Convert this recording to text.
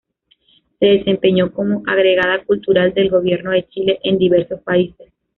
Se desempeñó como Agregada Cultural del gobierno de Chile en diversos países.